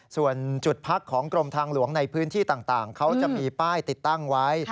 ส่วนจุดพักของกรมทางหลวงในพื้นที่ต่างเขาจะมีป้ายติดตั้งไว้